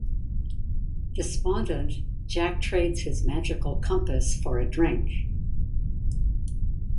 Despondent, Jack trades his magical compass for a drink.